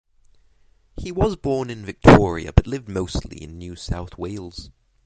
He was born in Victoria but lived mostly in New South Wales.